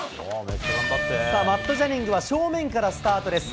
さあ、マット・ジャニングは正面からスタートです。